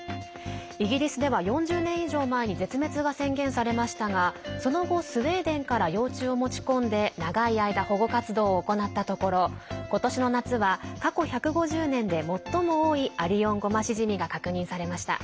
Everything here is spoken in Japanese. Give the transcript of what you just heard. イギリスでは４０年以上前に絶滅が宣言されましたがその後、スウェーデンから幼虫を持ち込んで長い間、保護活動を行ったところ今年の夏は過去１５０年で最も多いアリオンゴマシジミが確認されました。